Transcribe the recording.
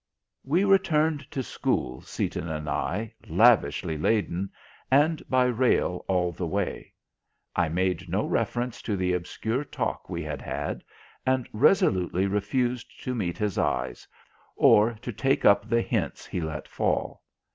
We returned to school, Seaton and I, lavishly laden, and by rail all the way. I made no reference to the obscure talk we had had, and resolutely refused to meet his eyes or to take up the hints he let fall.